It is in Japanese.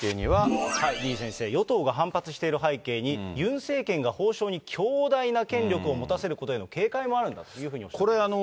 李先生、与党が反発している背景に、ユン政権が法相に強大な権力を持たせることに警戒もあるんだというふうにおっしゃっています。